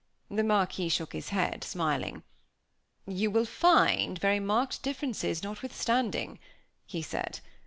The Marquis shook his head, smiling. "You will find very marked differences, notwithstanding," he said.